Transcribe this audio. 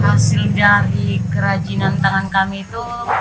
hasil dari kerajinan tangan kami itu